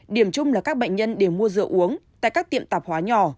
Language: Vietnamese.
điểm chung là các bệnh nhân đều mua rượu uống tại các tiệm tạp hóa nhỏ